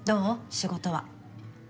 仕事は？